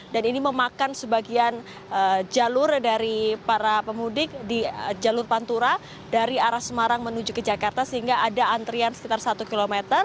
dan ini memakan sebagian jalur dari para pemudik di jalur pantura dari arah semarang menuju ke jakarta sehingga ada antrian sekitar satu km